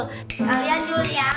sekalian jule ya